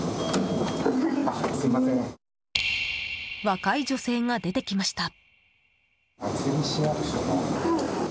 若い女性が出てきました。